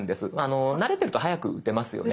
慣れてると速く打てますよね。